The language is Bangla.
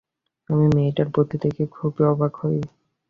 আমি মেয়েটার বুদ্ধি দেখে খুবই অবাক হই।